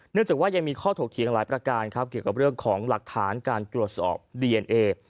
จากว่ายังมีข้อถกเถียงหลายประการครับเกี่ยวกับเรื่องของหลักฐานการตรวจสอบดีเอนเอ